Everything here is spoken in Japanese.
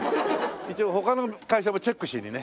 一応他の会社もチェックしにね。